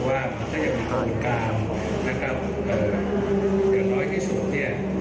อย่างเน้อยที่สูงเนี่ย